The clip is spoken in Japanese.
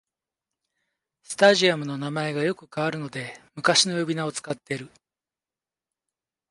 スタジアムの名前がよく変わるので昔の呼び名を使ってる